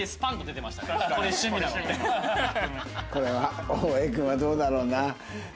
これは大江君はどうだろうな？